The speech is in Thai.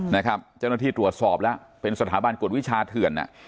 นะครับเจ้าหน้าที่ตรวจสอบแล้วเป็นสถาบันกวดวิชาเถื่อน